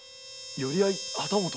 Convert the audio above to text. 寄り合い旗本。